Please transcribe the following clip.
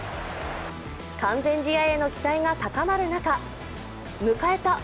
完全試合への期待が高まる中迎えた